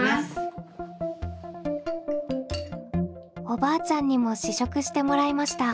おばあちゃんにも試食してもらいました。